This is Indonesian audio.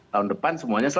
tahun depan semuanya